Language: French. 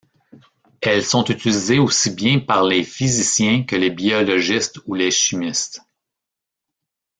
Elles sont utilisées aussi bien par les physiciens que les biologistes ou les chimistes.